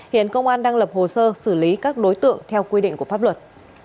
hiện công an đang lập hồ sơ xử lý các đối tượng theo quy định của pháp luật